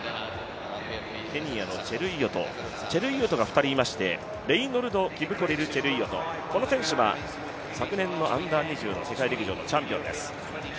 ケニアのチェルイヨット、チェルイヨットが２人いましてレイノルドキプコリル・チェルイヨト、この選手は昨年のＵ−２０の世界陸上のチャンピオンです。